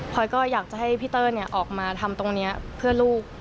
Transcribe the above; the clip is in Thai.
พอยก็อยากจะให้พี่เต้ยออกมาทำตรงนี้เพื่อลูก